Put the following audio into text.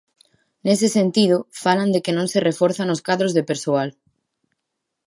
Nese sentido, falan de que non se reforzan os cadros de persoal.